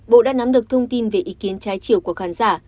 bộ đã nắm được thông tin về ý kiến trái chiều của khán giả